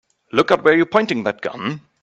Look out where you're pointing that gun!